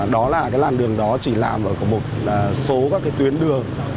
đó là cái làn đường đó chỉ làm ở một số các cái tuyến đường